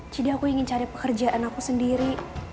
jadi aku ingin cari pekerjaan aku sendiri